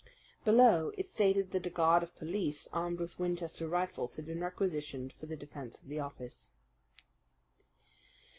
Below it stated that a guard of police, armed with Winchester rifles, had been requisitioned for the defense of the office.